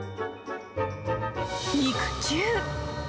肉球？